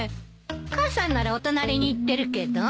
母さんならお隣に行ってるけど。